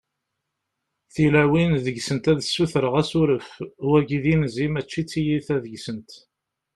tilawin deg-sent ad ssutreɣ asuref, wagi d inzi mačči t-tiyita deg-sent